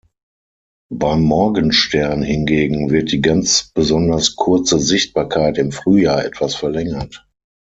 Beim Morgenstern hingegen wird die ganz besonders kurze Sichtbarkeit im Frühjahr etwas verlängert.